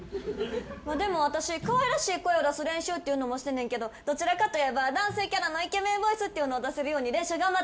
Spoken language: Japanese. でも私かわいらしい声を出す練習っていうのもしてんねんけどどちらかといえば男性キャラのイケメンボイスっていうのを出せるように練習頑張ってんねん。